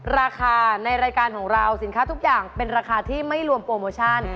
ราคาในรายการของเราสินค้าทุกอย่างเป็นราคาที่ไม่รวมโปรโมชั่น